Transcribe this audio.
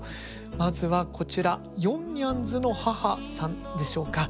まずはこちら４にゃんずの母さんでしょうか。